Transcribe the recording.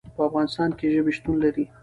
په افغانستان کې ژبې شتون لري.